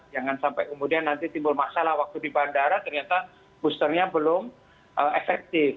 jangan sampai kemudian nanti timbul masalah waktu di bandara ternyata boosternya belum efektif